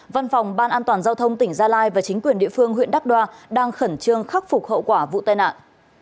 văn phòng ban an toàn giao thông tỉnh gia lai và chính quyền địa phương huyện đắc đoa đang khẩn trương khắc phục hậu quả vụ tai nạn